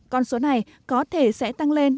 con số này có thể sẽ tăng lên